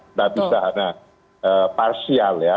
tidak bisa hanya parsial ya